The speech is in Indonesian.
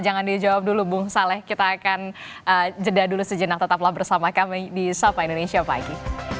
jangan dijawab dulu bung saleh kita akan jeda dulu sejenak tetaplah bersama kami di sapa indonesia pagi